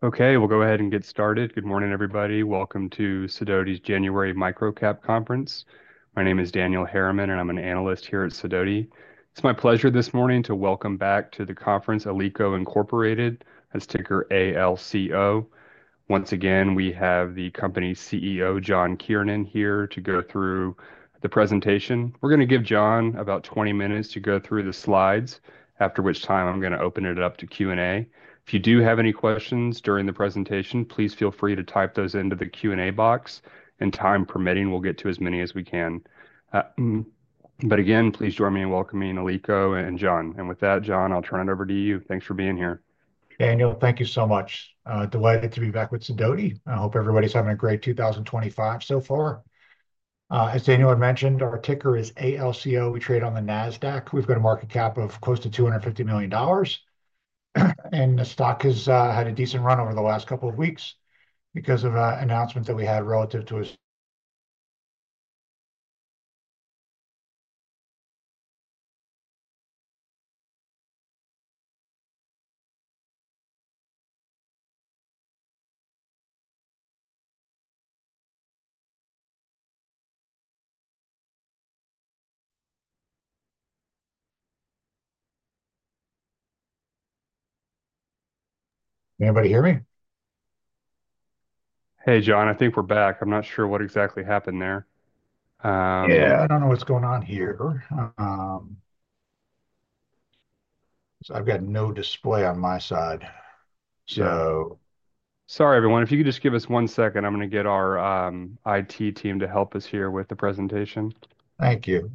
Okay, we'll go ahead and get started. Good morning, everybody. Welcome to Sidoti's January Microcap Conference. My name is Daniel Harriman, and I'm an analyst here at Sidoti. It's my pleasure this morning to welcome back to the conference Alico Inc, as ticker ALCO. Once again, we have the company's CEO, John Kiernan, here to go through the presentation. We're going to give John about 20 minutes to go through the slides, after which time I'm going to open it up to Q&A. If you do have any questions during the presentation, please feel free to type those into the Q&A box, and time permitting, we'll get to as many as we can. But again, please join me in welcoming Alico and John. And with that, John, I'll turn it over to you. Thanks for being here. Daniel, thank you so much. Delighted to be back with Sidoti. I hope everybody's having a great 2025 so far. As Daniel had mentioned, our ticker is ALCO. We trade on the Nasdaq. We've got a market cap of close to $250 million, and the stock has had a decent run over the last couple of weeks because of an announcement that we had relative to us. Anybody hear me? Hey, John, I think we're back. I'm not sure what exactly happened there. Yeah, I don't know what's going on here. I've got no display on my side, so. Sorry, everyone. If you could just give us one second, I'm going to get our IT team to help us here with the presentation. Thank you.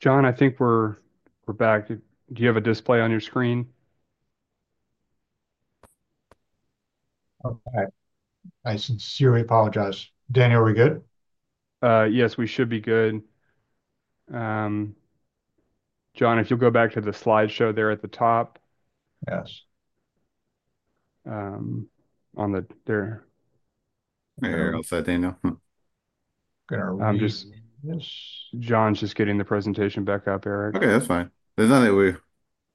John, I think we're back. Do you have a display on your screen? I sincerely apologize. Daniel, are we good? Yes, we should be good. John, if you'll go back to the slideshow there at the top. Yes. On the there. Hey, Eric, I'll say, Daniel. I'm just. John's just getting the presentation back up, Eric. Okay, that's fine. There's nothing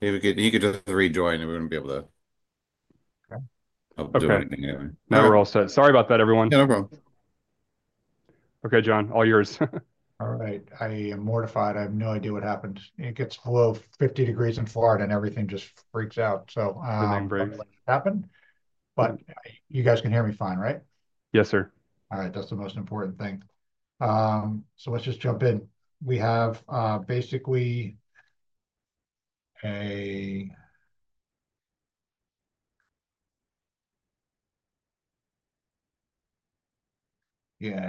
that he could just rejoin, and we wouldn't be able to. Okay. Do anything anyway. Now we're all set. Sorry about that, everyone. Yeah, no problem. Okay, John, all yours. All right. I am mortified. I have no idea what happened. It gets below 50 degrees in Florida, and everything just freaks out. So. The main break. Happened. But you guys can hear me fine, right? Yes, sir. All right. That's the most important thing. So let's just jump in. Yeah,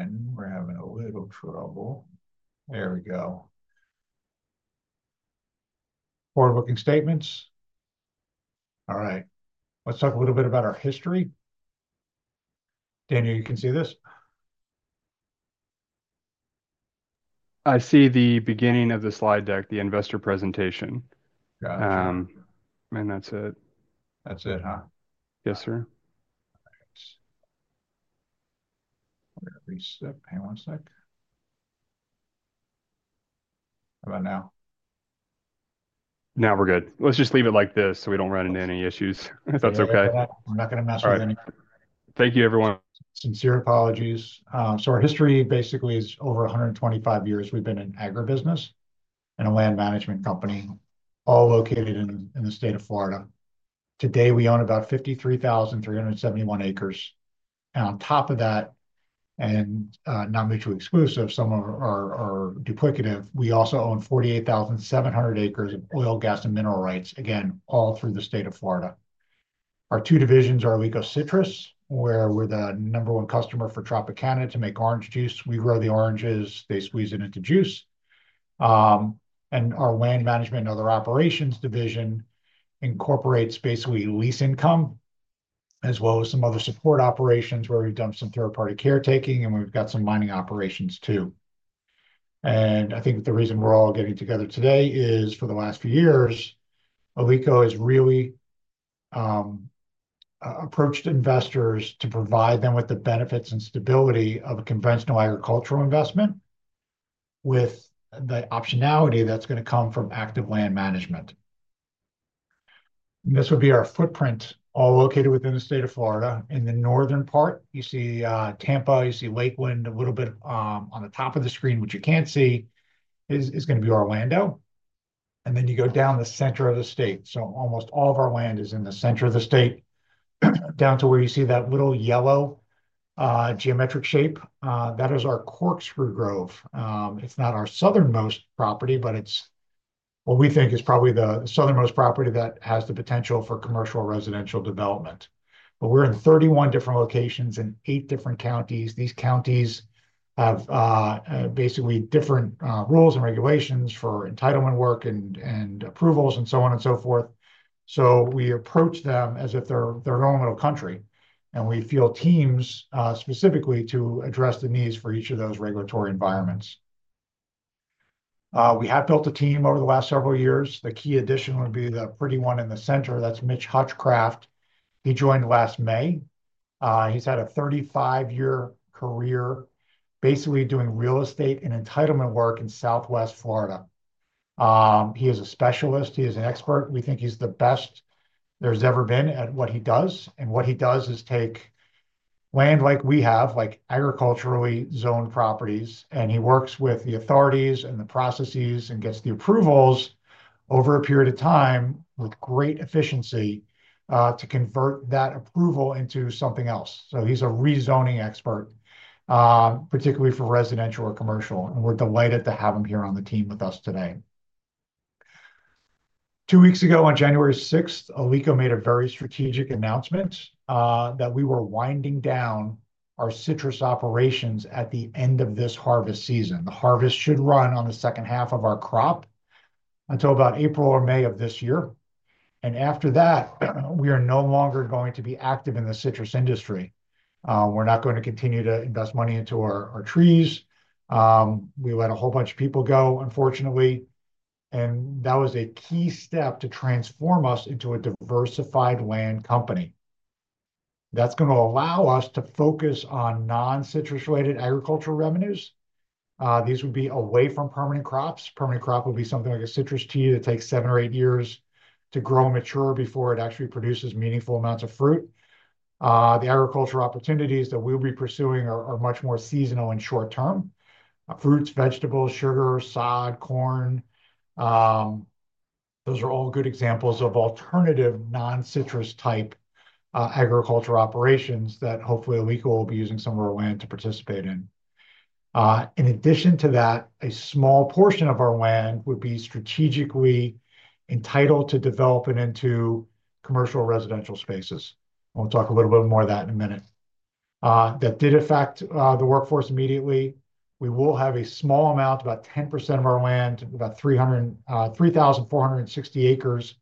and we're having a little trouble. There we go. Forward-looking statements. All right. Let's talk a little bit about our history. Daniel, you can see this? I see the beginning of the slide deck, the investor presentation. Gotcha. That's it. That's it, huh? Yes, sir. All right. Reset. Hang on one sec. How about now? Now we're good. Let's just leave it like this so we don't run into any issues, if that's okay. We're not going to mess with anything. Thank you, everyone. Sincere apologies. So our history basically is over 125 years. We've been in agribusiness and a land management company, all located in the state of Florida. Today, we own about 53,371 acres. And on top of that, and not mutually exclusive, some of our duplicative, we also own 48,700 acres of oil, gas, and mineral rights, again, all through the state of Florida. Our two divisions are Alico Citrus, where we're the number one customer for Tropicana to make orange juice. We grow the oranges. They squeeze it into juice. And our Land Management and Other Operations division incorporates basically lease income, as well as some other support operations where we've done some third-party caretaking, and we've got some mining operations too. I think the reason we're all getting together today is for the last few years, Alico has really approached investors to provide them with the benefits and stability of a conventional agricultural investment with the optionality that's going to come from active land management. And this would be our footprint, all located within the state of Florida. In the northern part, you see Tampa, you see Lakeland, a little bit on the top of the screen, which you can't see, is going to be Orlando. And then you go down the center of the state. So almost all of our land is in the center of the state. Down to where you see that little yellow geometric shape, that is our Corkscrew Grove. It's not our southernmost property, but it's what we think is probably the southernmost property that has the potential for commercial residential development. But we're in 31 different locations in eight different counties. These counties have basically different rules and regulations for entitlement work and approvals and so on and so forth. So we approach them as if they're their own little country. And we field teams specifically to address the needs for each of those regulatory environments. We have built a team over the last several years. The key addition would be the pretty one in the center. That's Mitch Hutchcraft. He joined last May. He's had a 35-year career basically doing real estate and entitlement work in Southwest Florida. He is a specialist. He is an expert. We think he's the best there's ever been at what he does. And what he does is take land like we have, like agriculturally zoned properties, and he works with the authorities and the processes and gets the approvals over a period of time with great efficiency to convert that approval into something else. So he's a rezoning expert, particularly for residential or commercial. And we're delighted to have him here on the team with us today. Two weeks ago, on January 6, Alico made a very strategic announcement that we were winding down our citrus operations at the end of this harvest season. The harvest should run on the second half of our crop until about April or May of this year. And after that, we are no longer going to be active in the citrus industry. We're not going to continue to invest money into our trees. We let a whole bunch of people go, unfortunately. That was a key step to transform us into a diversified land company. That's going to allow us to focus on non-citrus-related agricultural revenues. These would be away from permanent crops. Permanent crop would be something like a citrus tree that takes seven or eight years to grow and mature before it actually produces meaningful amounts of fruit. The agricultural opportunities that we'll be pursuing are much more seasonal and short-term. Fruits, vegetables, sugar, sod, corn, those are all good examples of alternative non-citrus-type agricultural operations that hopefully Alico will be using some of our land to participate in. In addition to that, a small portion of our land would be strategically entitled to develop into commercial and residential spaces. We'll talk a little bit more of that in a minute. That did affect the workforce immediately. We will have a small amount, about 10% of our land, about 3,460 acres,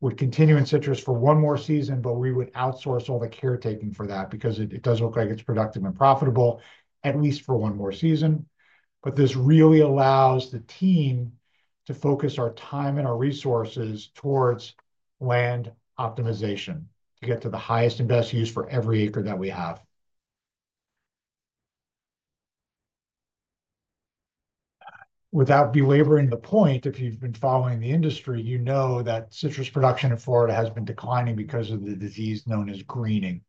would continue in citrus for one more season, but we would outsource all the caretaking for that because it does look like it's productive and profitable, at least for one more season. But this really allows the team to focus our time and our resources towards land optimization to get to the highest and best use for every acre that we have. Without belaboring the point, if you've been following the industry, you know that citrus production in Florida has been declining because of the disease known as greening.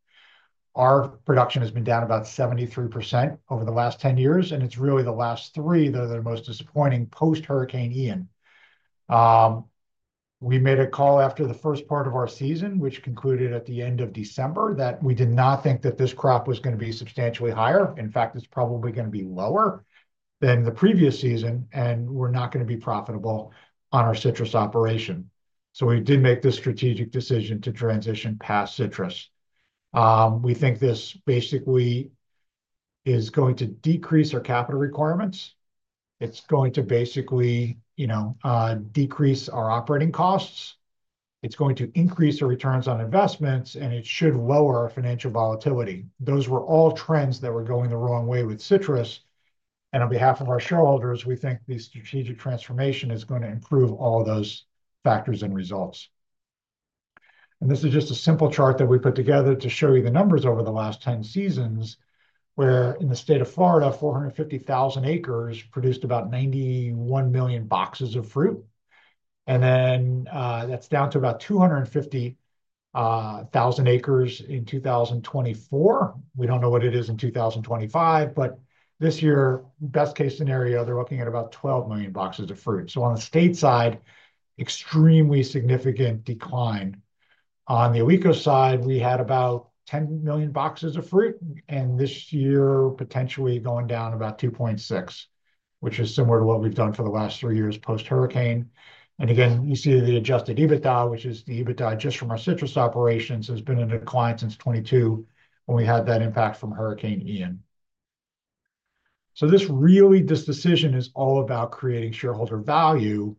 Our production has been down about 73% over the last 10 years, and it's really the last three, though they're most disappointing, post-Hurricane Ian. We made a call after the first part of our season, which concluded at the end of December, that we did not think that this crop was going to be substantially higher. In fact, it's probably going to be lower than the previous season, and we're not going to be profitable on our citrus operation. So we did make this strategic decision to transition past citrus. We think this basically is going to decrease our capital requirements. It's going to basically decrease our operating costs. It's going to increase our returns on investments, and it should lower our financial volatility. Those were all trends that were going the wrong way with citrus. And on behalf of our shareholders, we think this strategic transformation is going to improve all those factors and results. And this is just a simple chart that we put together to show you the numbers over the last 10 seasons, where in the state of Florida, 450,000 acres produced about 91 million boxes of fruit. And then that's down to about 250,000 acres in 2024. We don't know what it is in 2025, but this year, best-case scenario, they're looking at about 12 million boxes of fruit. So on the state side, extremely significant decline. On the Alico side, we had about 10 million boxes of fruit, and this year potentially going down about 2.6, which is similar to what we've done for the last three years post-Hurricane. And again, you see the Adjusted EBITDA, which is the EBITDA just from our citrus operations, has been in decline since 2022 when we had that impact from Hurricane Ian. So this really, this decision is all about creating shareholder value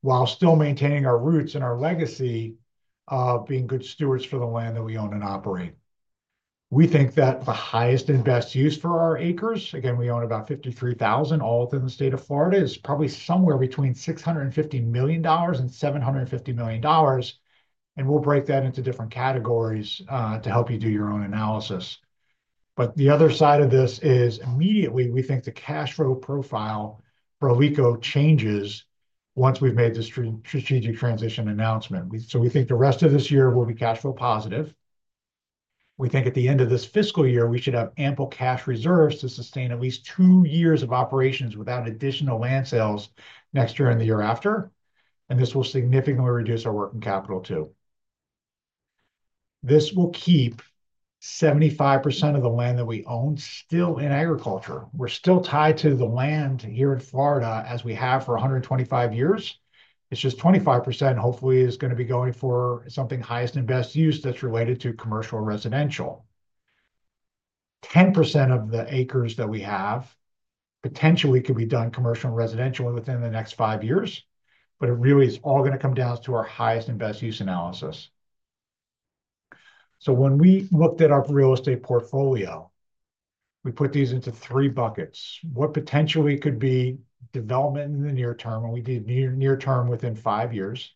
while still maintaining our roots and our legacy of being good stewards for the land that we own and operate. We think that the highest and best use for our acres (again, we own about 53,000, all within the state of Florida) is probably somewhere between $650 million and $750 million. And we'll break that into different categories to help you do your own analysis. But the other side of this is immediately, we think the cash flow profile for Alico changes once we've made this strategic transition announcement. So we think the rest of this year will be cash flow positive. We think at the end of this fiscal year, we should have ample cash reserves to sustain at least two years of operations without additional land sales next year and the year after. This will significantly reduce our working capital too. This will keep 75% of the land that we own still in agriculture. We're still tied to the land here in Florida as we have for 125 years. It's just 25%, hopefully, is going to be going for something highest and best use that's related to commercial residential. 10% of the acres that we have potentially could be done commercial and residential within the next five years, but it really is all going to come down to our highest and best use analysis. When we looked at our real estate portfolio, we put these into three buckets. What potentially could be development in the near term, and we did near term within five years.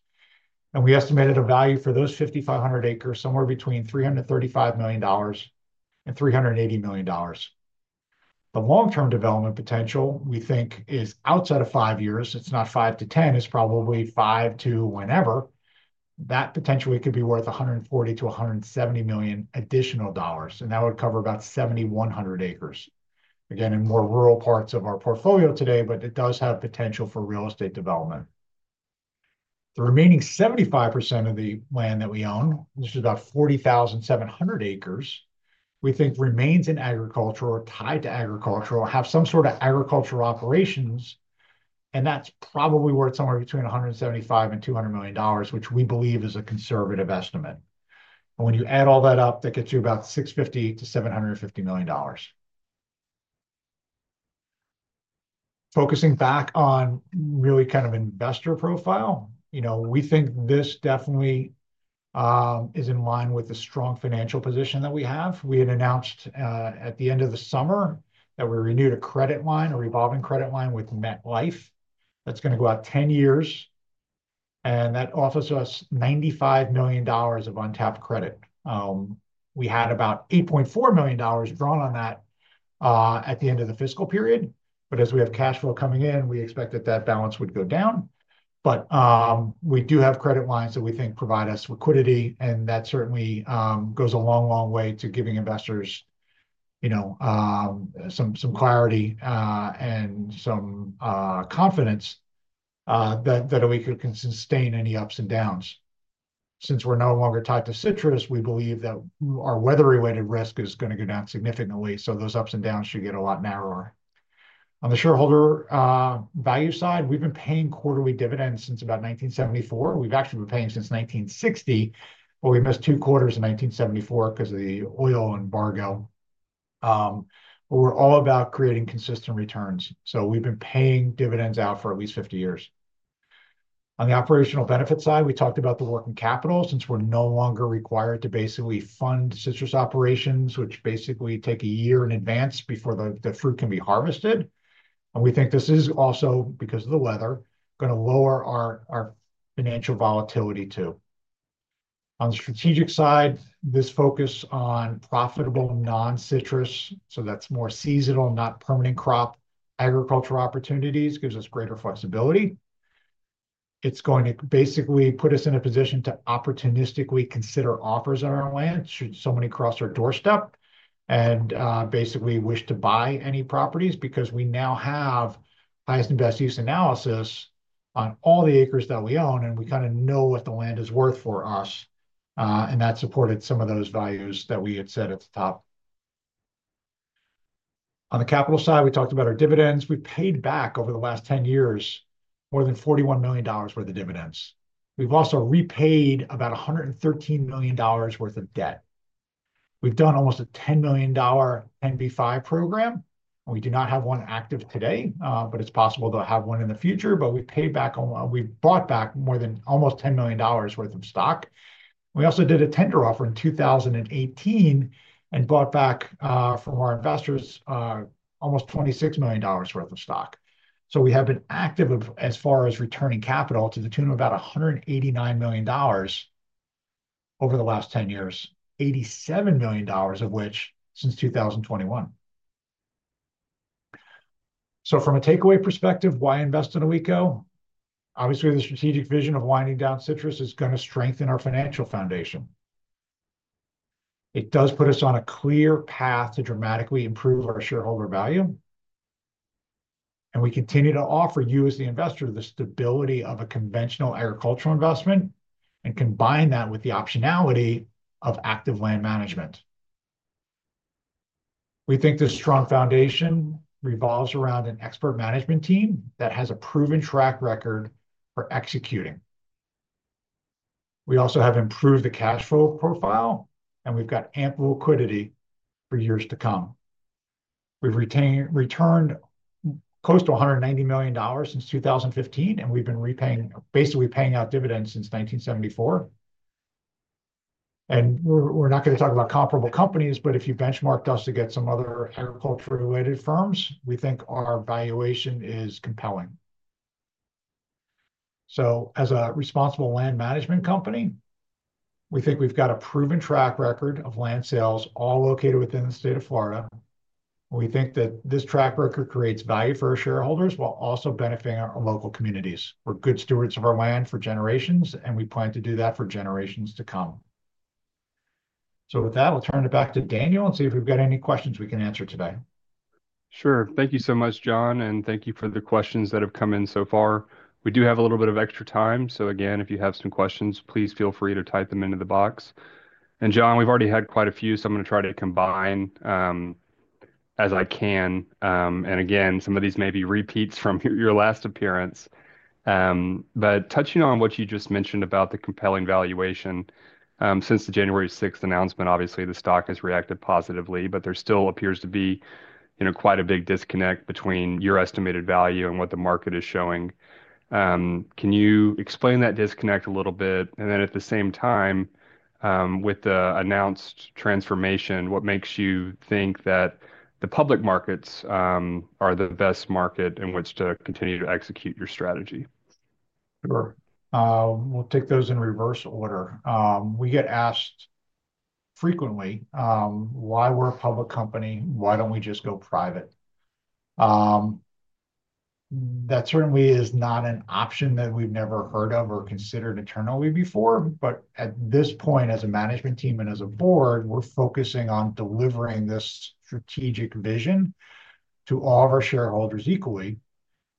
We estimated a value for those 5,500 acres somewhere between $335 million and $380 million. The long-term development potential, we think, is outside of five years. It's not 5 to 10. It's probably 5 to whenever. That potentially could be worth $140-$170 million additional dollars. And that would cover about 7,100 acres. Again, in more rural parts of our portfolio today, but it does have potential for real estate development. The remaining 75% of the land that we own, which is about 40,700 acres, we think remains in agriculture or tied to agriculture or have some sort of agricultural operations. And that's probably worth somewhere between $175-$200 million, which we believe is a conservative estimate. And when you add all that up, that gets you about $650-$750 million. Focusing back on really kind of investor profile, we think this definitely is in line with the strong financial position that we have. We had announced at the end of the summer that we renewed a credit line, a revolving credit line with MetLife. That's going to go out 10 years, and that offers us $95 million of untapped credit. We had about $8.4 million drawn on that at the end of the fiscal period, but as we have cash flow coming in, we expected that balance would go down, but we do have credit lines that we think provide us liquidity, and that certainly goes a long, long way to giving investors some clarity and some confidence that Alico can sustain any ups and downs. Since we're no longer tied to citrus, we believe that our weather-related risk is going to go down significantly, so those ups and downs should get a lot narrower. On the shareholder value side, we've been paying quarterly dividends since about 1974. We've actually been paying since 1960, but we missed two quarters in 1974 because of the oil embargo, but we're all about creating consistent returns, so we've been paying dividends out for at least 50 years. On the operational benefit side, we talked about the working capital since we're no longer required to basically fund citrus operations, which basically take a year in advance before the fruit can be harvested, and we think this is also, because of the weather, going to lower our financial volatility too. On the strategic side, this focus on profitable non-citrus, so that's more seasonal, not permanent crop agriculture opportunities, gives us greater flexibility. It's going to basically put us in a position to opportunistically consider offers on our land. So many cross our doorstep and basically wish to buy any properties because we now have highest and best use analysis on all the acres that we own, and we kind of know what the land is worth for us. And that supported some of those values that we had said at the top. On the capital side, we talked about our dividends. We paid back over the last 10 years more than $41 million worth of dividends. We've also repaid about $113 million worth of debt. We've done almost a $10 million 10b5-1 program. We do not have one active today, but it's possible they'll have one in the future. But we've paid back, we've brought back more than almost $10 million worth of stock. We also did a tender offer in 2018 and brought back from our investors almost $26 million worth of stock. So we have been active as far as returning capital to the tune of about $189 million over the last 10 years, $87 million of which since 2021. So from a takeaway perspective, why invest in Alico? Obviously, the strategic vision of winding down citrus is going to strengthen our financial foundation. It does put us on a clear path to dramatically improve our shareholder value. And we continue to offer you as the investor the stability of a conventional agricultural investment and combine that with the optionality of active land management. We think this strong foundation revolves around an expert management team that has a proven track record for executing. We also have improved the cash flow profile, and we've got ample liquidity for years to come. We've returned close to $190 million since 2015, and we've been basically paying out dividends since 1974. We're not going to talk about comparable companies, but if you benchmarked us to get some other agriculture-related firms, we think our valuation is compelling. As a responsible land management company, we think we've got a proven track record of land sales all located within the state of Florida. We think that this track record creates value for our shareholders while also benefiting our local communities. We're good stewards of our land for generations, and we plan to do that for generations to come. With that, I'll turn it back to Daniel and see if we've got any questions we can answer today. Sure. Thank you so much, John, and thank you for the questions that have come in so far. We do have a little bit of extra time. Again, if you have some questions, please feel free to type them into the box. And John, we've already had quite a few, so I'm going to try to combine as I can. And again, some of these may be repeats from your last appearance. But touching on what you just mentioned about the compelling valuation, since the January 6th announcement, obviously, the stock has reacted positively, but there still appears to be quite a big disconnect between your estimated value and what the market is showing. Can you explain that disconnect a little bit? And then at the same time, with the announced transformation, what makes you think that the public markets are the best market in which to continue to execute your strategy? Sure. We'll take those in reverse order. We get asked frequently why we're a public company, why don't we just go private. That certainly is not an option that we've never heard of or considered internally before. But at this point, as a management team and as a board, we're focusing on delivering this strategic vision to all of our shareholders equally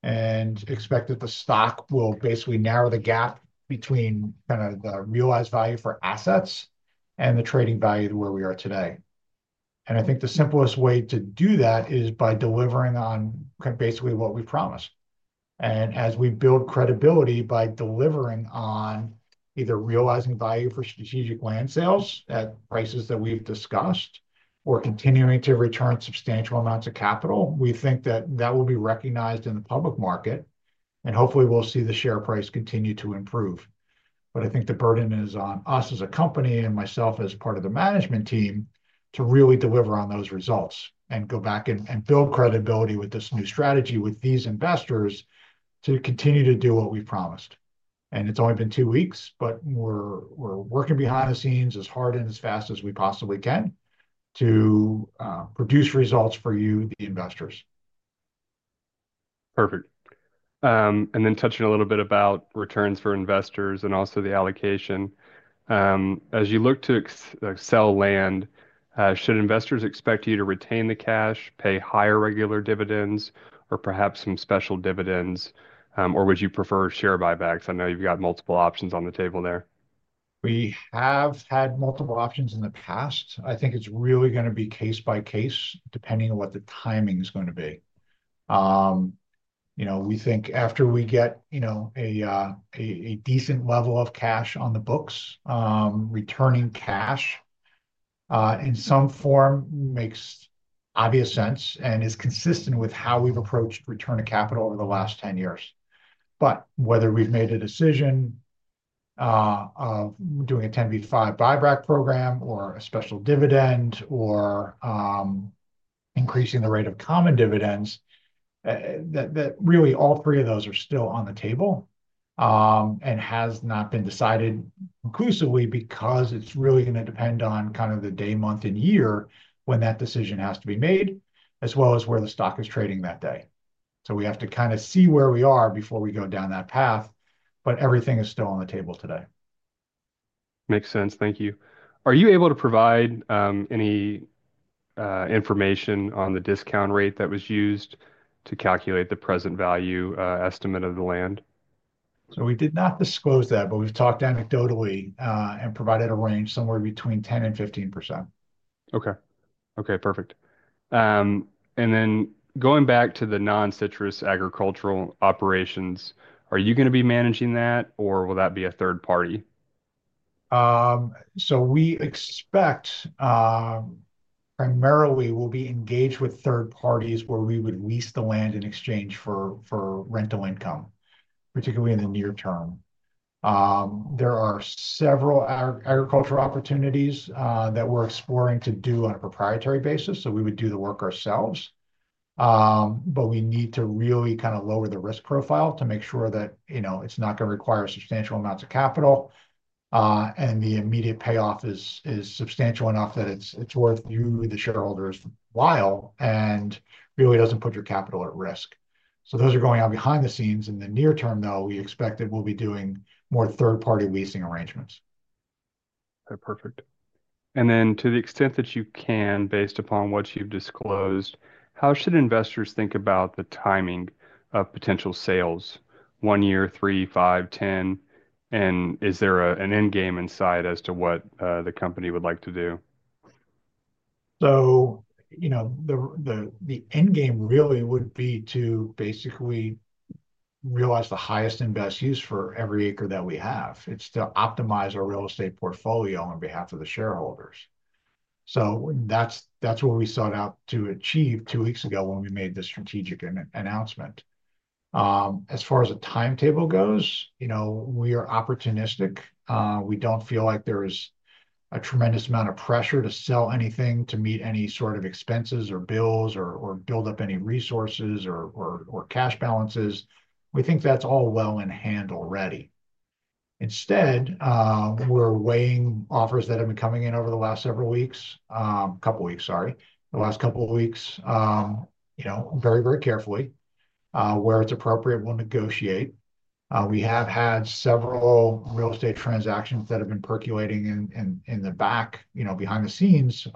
and expect that the stock will basically narrow the gap between kind of the realized value for assets and the trading value to where we are today. And I think the simplest way to do that is by delivering on basically what we promise. And as we build credibility by delivering on either realizing value for strategic land sales at prices that we've discussed or continuing to return substantial amounts of capital, we think that that will be recognized in the public market. And hopefully, we'll see the share price continue to improve. But I think the burden is on us as a company and myself as part of the management team to really deliver on those results and go back and build credibility with this new strategy with these investors to continue to do what we promised. And it's only been two weeks, but we're working behind the scenes as hard and as fast as we possibly can to produce results for you, the investors. Perfect. And then touching a little bit about returns for investors and also the allocation. As you look to sell land, should investors expect you to retain the cash, pay higher regular dividends, or perhaps some special dividends, or would you prefer share buybacks? I know you've got multiple options on the table there. We have had multiple options in the past. I think it's really going to be case by case depending on what the timing is going to be. We think after we get a decent level of cash on the books, returning cash in some form makes obvious sense and is consistent with how we've approached return to capital over the last 10 years. But whether we've made a decision of doing a 10b-5 buyback program or a special dividend or increasing the rate of common dividends, that really all three of those are still on the table and has not been decided conclusively because it's really going to depend on kind of the day, month, and year when that decision has to be made, as well as where the stock is trading that day. So we have to kind of see where we are before we go down that path, but everything is still on the table today. Makes sense. Thank you. Are you able to provide any information on the discount rate that was used to calculate the present value estimate of the land? So we did not disclose that, but we've talked anecdotally and provided a range somewhere between 10% and 15%. Okay. Okay. Perfect. And then going back to the non-citrus agricultural operations, are you going to be managing that, or will that be a third party? So we expect primarily we'll be engaged with third parties where we would lease the land in exchange for rental income, particularly in the near term. There are several agricultural opportunities that we're exploring to do on a proprietary basis. So we would do the work ourselves. But we need to really kind of lower the risk profile to make sure that it's not going to require substantial amounts of capital. The immediate payoff is substantial enough that it's worth your while, and really doesn't put your capital at risk. So those are going on behind the scenes. In the near term, though, we expect that we'll be doing more third-party leasing arrangements. Okay. Perfect. And then to the extent that you can, based upon what you've disclosed, how should investors think about the timing of potential sales? One year, three, five, ten. And is there an end game in sight as to what the company would like to do? So the end game really would be to basically realize the highest and best use for every acre that we have is to optimize our real estate portfolio on behalf of the shareholders. So that's what we set out to achieve two weeks ago when we made the strategic announcement. As far as a timetable goes, we are opportunistic. We don't feel like there is a tremendous amount of pressure to sell anything to meet any sort of expenses or bills or build up any resources or cash balances. We think that's all well in hand already. Instead, we're weighing offers that have been coming in over the last several weeks, a couple of weeks, sorry, the last couple of weeks, very, very carefully. Where it's appropriate, we'll negotiate. We have had several real estate transactions that have been percolating in the back, behind the scenes,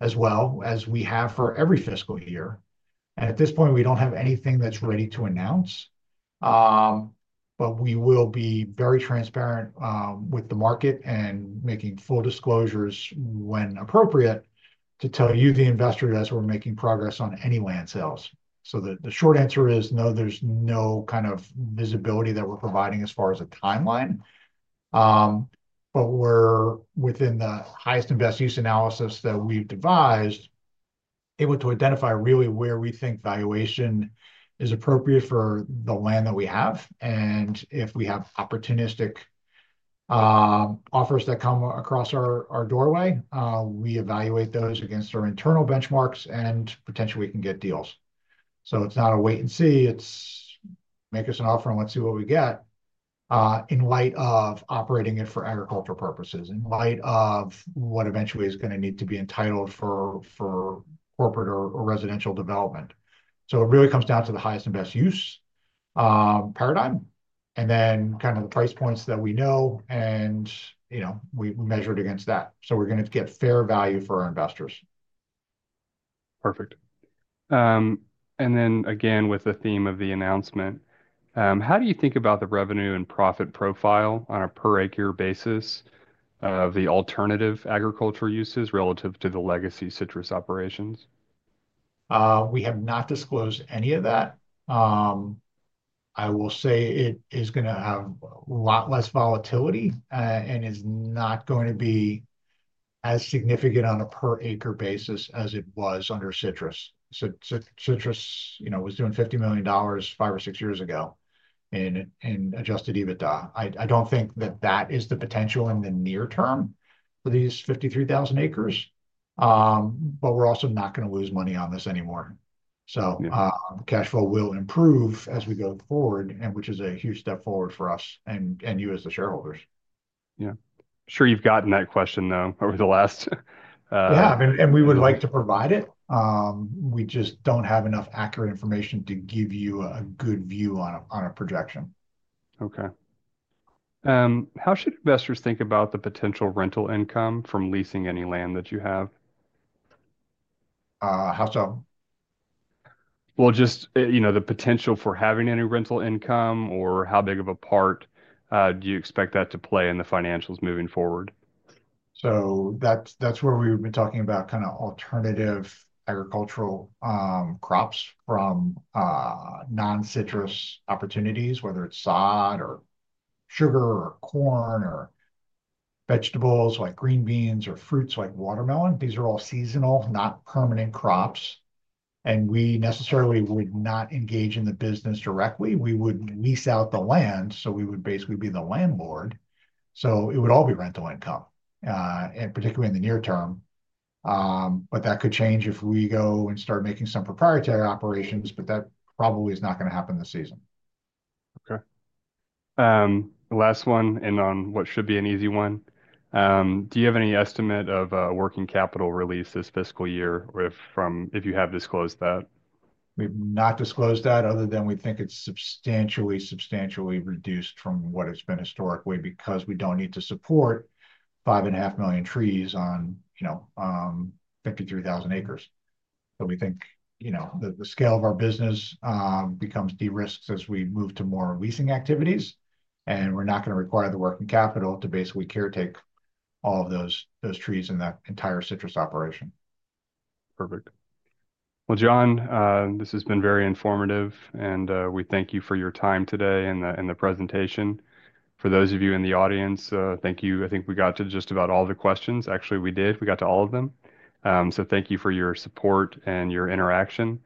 as well as we have for every fiscal year, and at this point, we don't have anything that's ready to announce, but we will be very transparent with the market and making full disclosures when appropriate to tell you, the investor, that we're making progress on any land sales. So the short answer is no, there's no kind of visibility that we're providing as far as a timeline. But we're within the highest and best use analysis that we've devised, able to identify really where we think valuation is appropriate for the land that we have. And if we have opportunistic offers that come across our doorway, we evaluate those against our internal benchmarks, and potentially we can get deals. So it's not a wait and see. It's make us an offer and let's see what we get in light of operating it for agricultural purposes, in light of what eventually is going to need to be entitled for corporate or residential development. So it really comes down to the highest and best use paradigm and then kind of the price points that we know, and we measure it against that. So we're going to get fair value for our investors. Perfect. And then again, with the theme of the announcement, how do you think about the revenue and profit profile on a per-acre basis of the alternative agriculture uses relative to the legacy citrus operations? We have not disclosed any of that. I will say it is going to have a lot less volatility and is not going to be as significant on a per-acre basis as it was under citrus. Citrus was doing $50 million five or six years ago and Adjusted EBITDA. I don't think that that is the potential in the near term for these 53,000 acres. But we're also not going to lose money on this anymore. So cash flow will improve as we go forward, which is a huge step forward for us and you as the shareholders. Yeah. I'm sure you've gotten that question, though, over the last. Yeah. And we would like to provide it. We just don't have enough accurate information to give you a good view on a projection. Okay. How should investors think about the potential rental income from leasing any land that you have? How so? Well, just the potential for having any rental income or how big of a part do you expect that to play in the financials moving forward? So that's where we've been talking about kind of alternative agricultural crops from non-citrus opportunities, whether it's sod or sugar or corn or vegetables like green beans or fruits like watermelon. These are all seasonal, not permanent crops. And we necessarily would not engage in the business directly. We would lease out the land. So we would basically be the landlord. So it would all be rental income, particularly in the near term. But that could change if we go and start making some proprietary operations, but that probably is not going to happen this season. Okay. Last one, and on what should be an easy one. Do you have any estimate of working capital release this fiscal year or if you have disclosed that? We've not disclosed that other than we think it's substantially, substantially reduced from what it's been historically because we don't need to support 5.5 million trees on 53,000 acres. So we think the scale of our business becomes de-risked as we move to more leasing activities. And we're not going to require the working capital to basically caretake all of those trees in that entire citrus operation. Perfect. Well, John, this has been very informative, and we thank you for your time today and the presentation. For those of you in the audience, thank you. I think we got to just about all the questions. Actually, we did. We got to all of them. So thank you for your support and your interaction.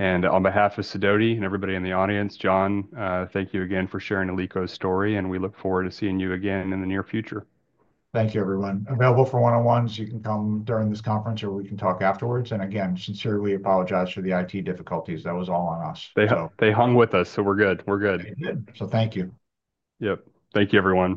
And on behalf of Sidoti and everybody in the audience, John, thank you again for sharing Alico's story, and we look forward to seeing you again in the near future. Thank you, everyone. Available for one-on-ones. You can come during this conference or we can talk afterwards. And again, sincerely apologize for the IT difficulties. That was all on us. They hung with us, so we're good. We're good. So thank you. Yep. Thank you, everyone.